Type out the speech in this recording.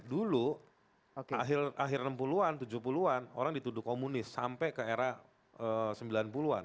dulu akhir enam puluh an tujuh puluh an orang dituduh komunis sampai ke era sembilan puluh an